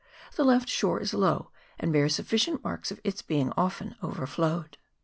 The left shore is low, and bears sufficient marks of its being very often overflowed.